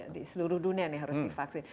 di seluruh dunia nih harus divaksin